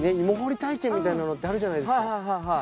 芋掘り体験みたいなのってあるじゃないですか。